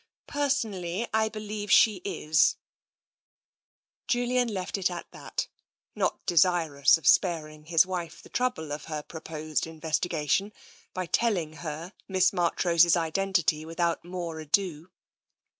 Personally, I be lieve she is." TENSION 6s Julian left it at that, not desirous of sparing his wife the trouble of her proposed investigation by tell ing her Miss Marchrose's identity without more ado.